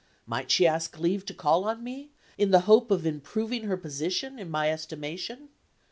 Might she ask leave to call on me, in the hope of improving her position in my estimation?